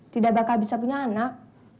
tidak bakal bisa punya anak